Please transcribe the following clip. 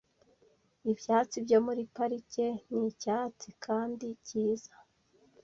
Ibyatsi byo muri parike ni icyatsi kandi cyiza .